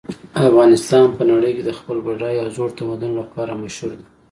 افغانستان په نړۍ کې د خپل بډایه او زوړ تمدن لپاره مشهور ده